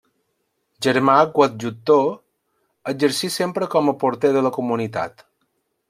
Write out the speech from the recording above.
Germà coadjutor, exercí sempre com a porter de la comunitat.